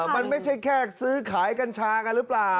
มันไม่ใช่แค่ซื้อขายกัญชากันหรือเปล่า